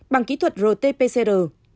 bằng kỹ thuật rt pcr